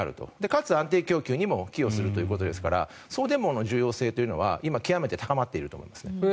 かつ、安定供給にも寄与するということですから送電網の重要性というのは今、極めて高まっていると思います。